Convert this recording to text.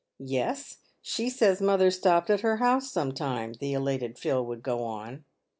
" Yes, she says mother stopped at her house some time," the elated Phil would go on..